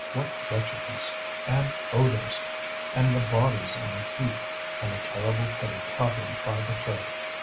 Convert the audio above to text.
What wretchedness! and odours! and the bodies in a heap! And a terrible pity caught him by the throat.